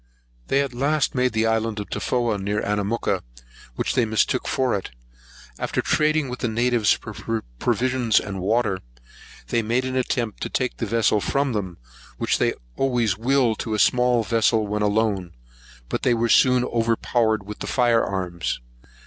They at last made the island of Tofoa, near to Anamooka, which they mistook for it. After trading with the natives for provisions and water, they made an attempt to take the vessel from them, which they always will to a small vessel, when alone; but they were soon overpowered with the fire arms.